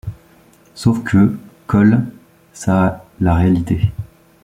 Sauf que colle ça à la réalité.